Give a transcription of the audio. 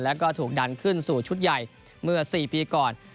แล้วก็ถูกดันขึ้นสู่ชุดใหญ่เมื่อ๔ปีก่อน